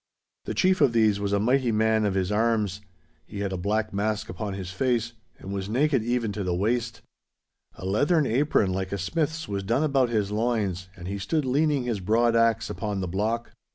The chief of these was a man mighty of his arms. He had a black mask upon his face, and was naked even to the waist. A leathern apron like a smith's was done about his loins, and he stood leaning his broad axe upon the block.